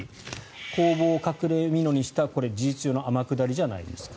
公募を隠れみのにした事実上の天下りじゃないですか。